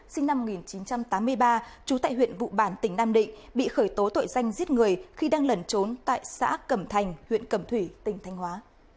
sinh năm một nghìn chín trăm tám mươi ba trú tại huyện vụ bản tỉnh nam định bị khởi tố tội danh giết người khi đang lẩn trốn tại xã cẩm thành huyện cẩm thủy tỉnh thanh hóa